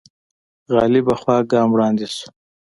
غالبه خوا ګام وړاندې شو